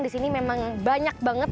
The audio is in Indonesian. disini memang banyak banget